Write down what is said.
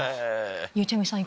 ゆうちゃみさん